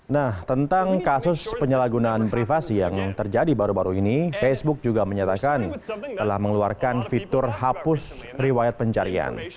nah tentang kasus penyalahgunaan privasi yang terjadi baru baru ini facebook juga menyatakan telah mengeluarkan fitur hapus riwayat pencarian